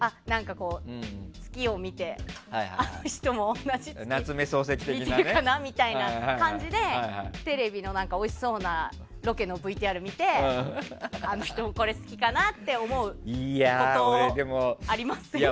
月を見てあの人も同じ月を見てるかなみたいな感じでテレビのおいしそうなロケのＶＴＲ見てあの人もこれを好きかなって思うことありません？